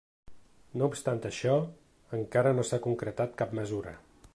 No obstant això, encara no s’ha concretat cap mesura.